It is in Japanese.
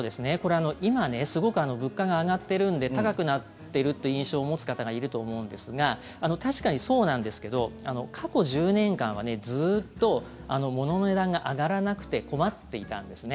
今ねすごく物価が上がってるんで高くなってるって印象を持つ方がいると思うんですが確かにそうなんですけど過去１０年間はずっと物の値段が上がらなくて困っていたんですね。